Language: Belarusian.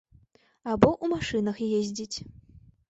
Або ў машынах ездзіць.